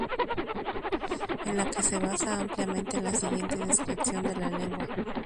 En la que se basa ampliamente la siguiente descripción de la lengua.